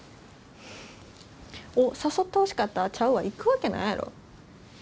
おっ誘ってほしかったちゃうわ行くわけないやろ。